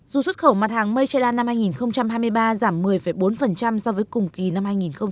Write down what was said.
dù xuất khẩu mặt hàng mây tre đan năm hai nghìn hai mươi ba giảm một mươi bốn so với cùng kỳ năm hai nghìn hai mươi hai